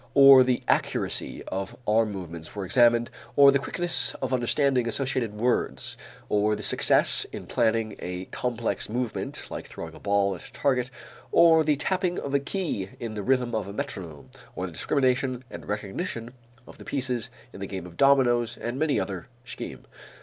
Or the accuracy of arm movements was examined, or the quickness of understanding associated words, or the success in planning a complex movement like throwing a ball at a target, or the tapping of a key in the rhythm of a metronome, or the discrimination and recognition of the pieces in the game of dominoes and many another scheme.